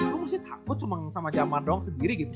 lu mesti takut cuma sama jamar doang sendiri gitu